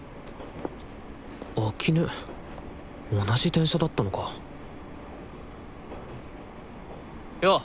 秋音同じ電車だったのかよお！